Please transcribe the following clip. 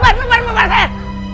bukan bukan bukan saya